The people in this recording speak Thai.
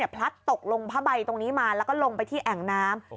พลัดตกลงผ้าใบตรงนี้มาแล้วก็ลงไปที่แอ่งน้ำ